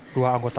dua anggota lama